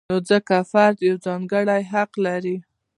نو ځکه فرد یو ځانګړی حق لري.